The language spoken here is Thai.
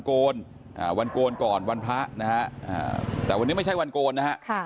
โกนวันโกนก่อนวันพระนะฮะแต่วันนี้ไม่ใช่วันโกนนะฮะ